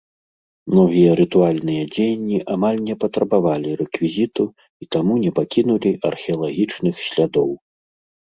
Многія рытуальныя дзеянні амаль не патрабавалі рэквізіту і таму не пакінулі археалагічных слядоў.